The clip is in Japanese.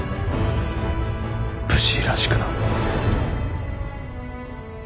武士らしくな。